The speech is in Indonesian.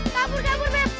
kabur kabur beb